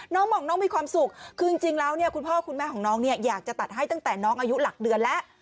น้องบอกน้องมีความสุขคือจริงแล้วเนี่ยคุณพ่อคุณแม่ของน้องเนี่ยอยากจะตัดให้ตั้งแต่น้องอายุหลักเดือนแล้ว